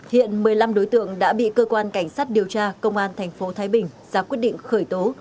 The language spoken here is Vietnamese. hiện một mươi năm đối tượng đã bị cơ quan cảnh sát điều tra công an thành phố thái bình ra quyết định khởi tố